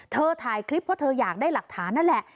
ถ่ายคลิปเพราะเธออยากได้หลักฐานนั่นแหละ